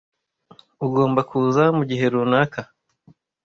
Ugomba kuza mugihe runaka.